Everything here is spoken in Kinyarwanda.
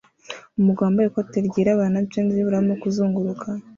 Umugabo wambaye ikoti ryirabura na jans yubururu arimo kuzunguruka